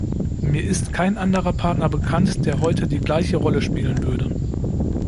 Mir ist kein anderer Partner bekannt, der heute die gleiche Rolle spielen würde.